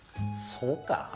そうか？